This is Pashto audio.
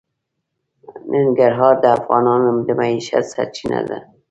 ننګرهار د افغانانو د معیشت سرچینه ده.